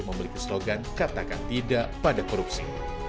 memiliki slogan katakan tidak pada korupsi